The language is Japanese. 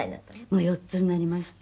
「もう４つになりました」